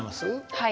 はい。